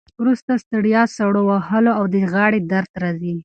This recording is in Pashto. وروسته ستړیا، سړو وهلو او د غاړې درد راځي.